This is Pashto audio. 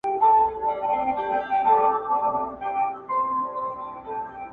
ټولي دنـيـا سره خــبري كـــوم,